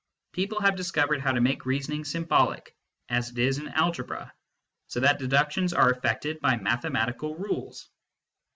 People have discovered how to make reasoning symbolic, as it is in Algebra, so that deductions are effected by mathematical rules.